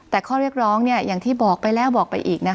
แต่ข้อเรียกร้องอย่างที่บอกไปแล้วบอกไปอีก